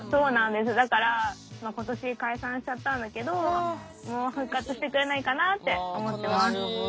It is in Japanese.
今年、解散しちゃったんだけど復活してくれないかなって思ってます。